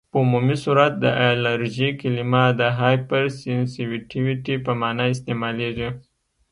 په عمومي صورت د الرژي کلمه د هایپرسینسیټیويټي په معنی استعمالیږي.